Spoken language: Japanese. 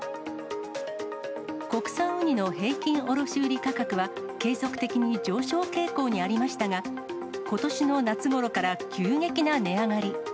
国産ウニの平均卸売り価格は、継続的に上昇傾向にありましたが、ことしの夏ごろから急激な値上がり。